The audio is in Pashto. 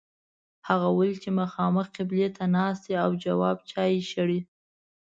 هغه ولید چې مخامخ قبلې ته ناست دی او جواب چای شړي.